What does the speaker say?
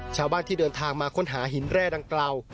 ชาวบ้านที่เดินทางมาค้นหาหินแร่ดังกล่าว